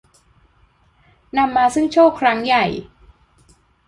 นำมาซึ่งโชคครั้งใหญ่